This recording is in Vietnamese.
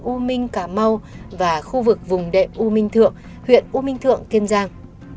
u minh cà mau và khu vực vùng đệm u minh thượng huyện u minh thượng kiên giang